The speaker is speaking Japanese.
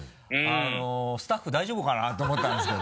スタッフ大丈夫かな？と思ったんですけど。